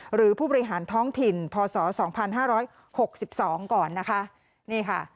หรือผู้บริหารท้องถิ่นพศ๒๕๖๒ก่อนนะคะนี่ค่ะ